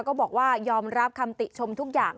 ก็บอกว่ายอมรับคำติชมทุกอย่าง